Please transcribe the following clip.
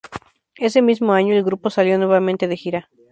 Ese mismo año el grupo salió nuevamente de gira.